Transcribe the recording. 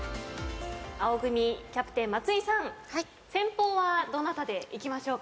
青組キャプテン松井さん先鋒はどなたでいきましょうか。